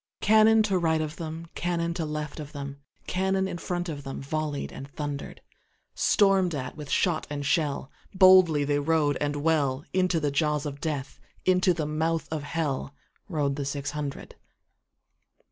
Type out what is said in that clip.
Cannon to right of them, Cannon to left of them, Cannon in front of themVolley'd and thunder'd; Storm'd at with shot and shell, Boldly they rode and well, Into the jaws of Death, Into the mouth of HellRode the six hundred.